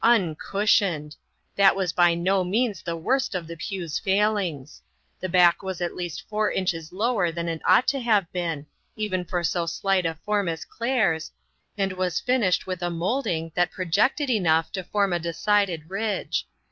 Uncushioned ! that was by no means the worst of the pew's failings. The back was at least four inches lower than it ought to have been, even for so slight a form as Claire's, and was finished with a moulding that projected enough to form a decided ridge.